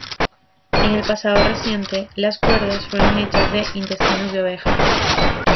En el pasado reciente, las cuerdas fueron hechas de intestino de oveja.